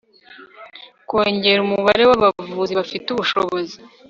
kongera umubare w'abavuzi bafite ubushobozi